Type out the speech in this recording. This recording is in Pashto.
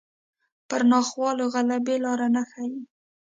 پر ناخوالو غلبې لاره نه ښيي